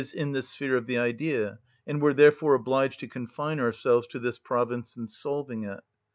_, in the sphere of the idea, and were therefore obliged to confine ourselves to this province in solving it.